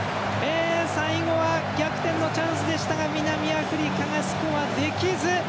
最後は、逆転のチャンスでしたが南アフリカがスコアできず。